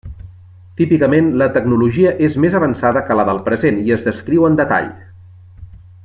Típicament, la tecnologia és més avançada que la del present i es descriu en detall.